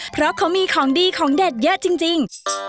เพราะเขามีของดีของเด็ดเยอะจริง